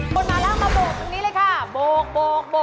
หมดมาแล้วมาโบกตรงนี้เลยค่ะโบก